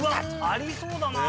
ありそうだな。